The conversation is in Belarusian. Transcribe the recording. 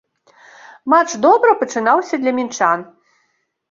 Матч добра пачынаўся для мінчан.